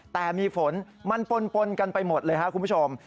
แต่มีฝนมันปนกันไปหมดเลยครับคุณผู้ชม